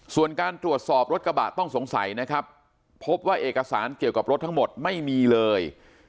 ส่วนการตรวจสอบรถกระบะต้องสงสัยนะครับพบว่าเอกสารเกี่ยวกับรถทั้งหมดไม่มีเลย